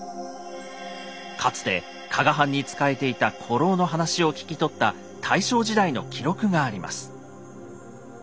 かつて加賀藩に仕えていた古老の話を聞き取った大正時代の記録があります。